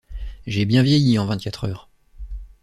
J’ai bien vieilli en vingt-quatre heures.